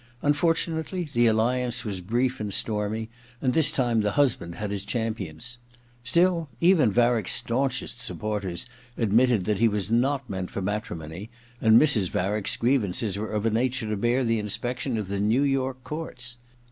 Unfortun ately the alliance was brief and stormy, and this time the husband had his champions. Still, even Varick*s staunchest supporters admitted that he was not meant for matrimony, and Mrs. Varick's grievances were of a nature to bear the inspection of the New York courts.